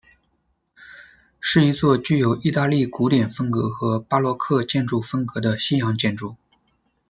是一座具有意大利古典风格和巴洛克建筑风格的西洋建筑。